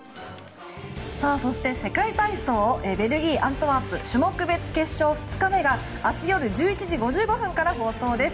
そして、世界体操ベルギー・アントワープ種目別決勝２日目が明日夜１１時５５分から放送です。